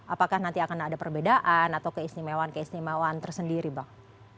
apakah nanti akan ada perbedaan atau keistimewaan keistimewaan tersendiri bang